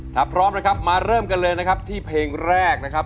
ถ้าพร้อมนะครับมาเริ่มกันเลยนะครับที่เพลงแรกนะครับ